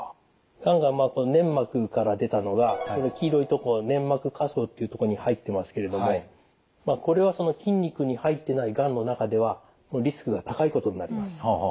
がんが粘膜から出たのがその黄色いとこ粘膜下層っていうとこに入ってますけれどもこれは筋肉に入ってないがんの中ではリスクが高いことになります。